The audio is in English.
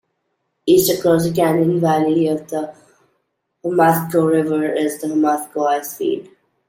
East across the canyon-valley of the Homathko River is the Homathko Icefield.